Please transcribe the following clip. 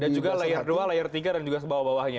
dan juga layar dua layar tiga dan juga di bawah bawahnya